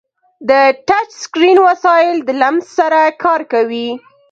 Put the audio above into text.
د ټچ اسکرین وسایل د لمس سره کار کوي.